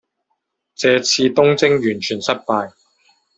这次东征完全失败。